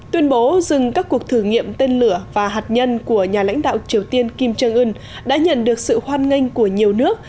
tuyên bố dừng các cuộc thử nghiệm tên lửa và hạt nhân của nhà lãnh đạo triều tiên kim jong un đã nhận được sự hoan nghênh của nhiều nước